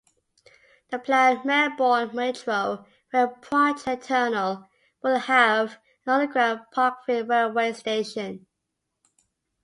The planned Melbourne Metro Rail Project tunnel with have an underground Parkville railway station.